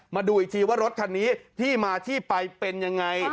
มาดูอีกทีว่ารถคันนี้ที่มาที่ไปเป็นยังไง